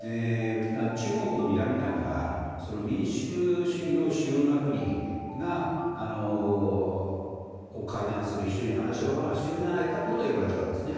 中国をにらみながら民主主義の主要な国が会談する、一緒に話し合う場が必要じゃないかということを言われていたんですね。